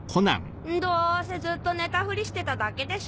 どうせずっと寝たふりしてただけでしょ？